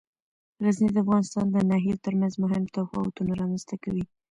غزني د افغانستان د ناحیو ترمنځ مهم تفاوتونه رامنځ ته کوي.